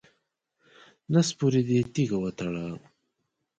نس پورې دې تیږې وتړه.